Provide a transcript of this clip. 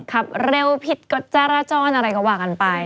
ครับเร็วผิดก็จ้าร่าจ้อนอะไรกระหว่างกันไป